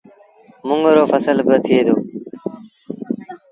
منڱ رو ڦسل با ٿئي دو